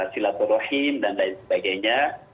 silaturahim dan lain sebagainya